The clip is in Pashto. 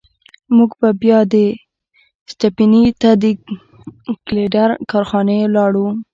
موږ بیا سټپني ته د ګیلډر کارخانې ته لاړو.